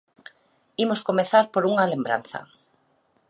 Imos comezar por unha lembranza.